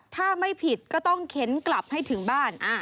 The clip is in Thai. ถ้าไม่ผิดก็ต้องเข็นกลับให้ถึงบ้าน